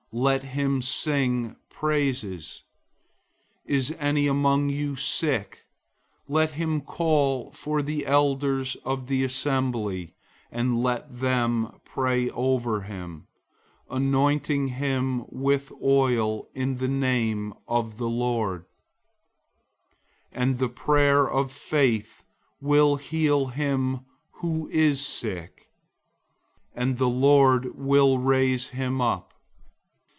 Let him sing praises. 005:014 Is any among you sick? Let him call for the elders of the assembly, and let them pray over him, anointing him with oil in the name of the Lord, 005:015 and the prayer of faith will heal him who is sick, and the Lord will raise him up.